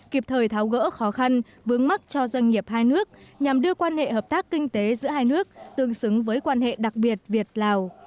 kịp thời tháo gỡ khó khăn vướng mắt cho doanh nghiệp hai nước nhằm đưa quan hệ hợp tác kinh tế giữa hai nước tương xứng với quan hệ đặc biệt việt lào